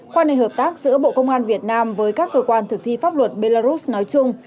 quan hệ hợp tác giữa bộ công an việt nam với các cơ quan thực thi pháp luật belarus nói chung